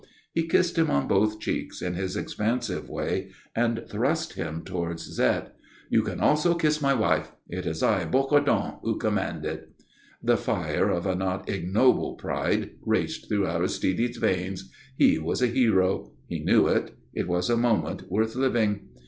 He kissed him on both cheeks, in his expansive way, and thrust him towards Zette. "You can also kiss my wife. It is I, Bocardon, who command it." The fire of a not ignoble pride raced through Aristide's veins. He was a hero. He knew it. It was a moment worth living.